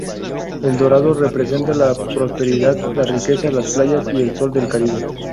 El dorado representa la prosperidad, la riqueza, la playas y el sol del Caribe.